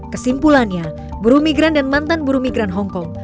kesimpulannya buruh migran dan mantan buru migran hongkong